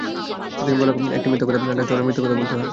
প্রতিদিন কথা বললে একটি মিথ্যা কথা ঢাকতে অনেক মিথ্যা কথাও বলতে হয়।